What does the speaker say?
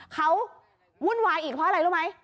เขาวุ่นวายอีกเพราะอะไรรู้ไหม